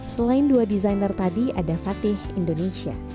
selain dua desainer tadi ada fatih indonesia